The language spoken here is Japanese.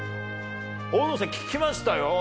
大野さん、聞きましたよ。